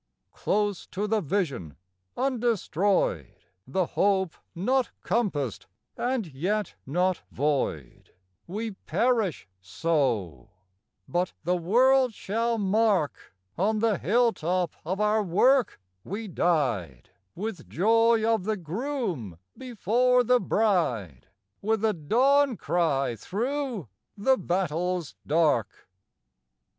Close to the vision undestroyed, The hope not compassed and yet not void, We perish so; but the world shall mark On the hilltop of our work we died, With joy of the groom before the bride, With a dawn cry thro' the battle's dark.